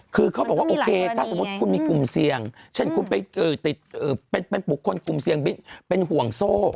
คือเขาบอกว่าโอเคถ้าสมมุติคุณมีกลุ่มเสี่ยงเช่นคุณไปติดเป็นบุคคลกลุ่มเสี่ยงเป็นห่วงโซ่